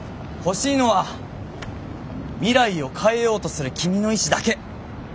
欲しいのは未来を変えようとする君の意志だけ。